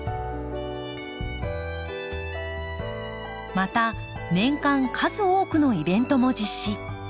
また年間数多くのイベントも実施。